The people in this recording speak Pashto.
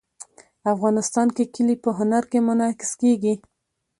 افغانستان کې کلي په هنر کې منعکس کېږي.